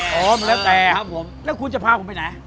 พร้อมแล้วแต่แล้วคุณจะพาผมไปไหน